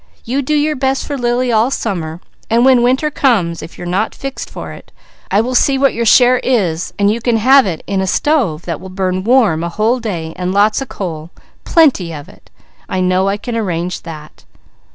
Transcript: You do your best for Lily all summer, and when winter comes, if you're not fixed for it, I will see what your share is and you can have it in a stove that will burn warm a whole day, and lots of coal, plenty of it. I know I can arrange that."